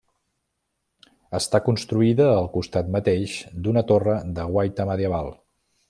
Està construïda al costat mateix d'una torre de guaita medieval.